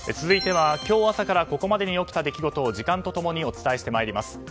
続いては今日朝からここまでに起きた出来事を時間と共にお伝えしてまいります。